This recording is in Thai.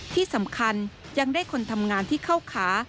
ที่สำคัญยังได้คนทำงานที่เข้าขา